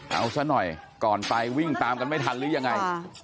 เอาซะหน่อยก่อนไปวิ่งตามกันไม่ทันหรือยังไง